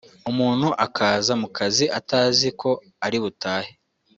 umuntu akaza ku kazi atazi ko ari butahe